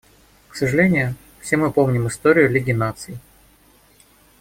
К сожалению, все мы помним историю Лиги Наций.